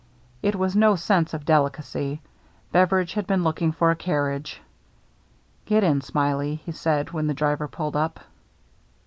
It was no sense of delicacy. Beveridge had been looking for a carriage. " Get in. Smiley," he said, when the driver pulled up.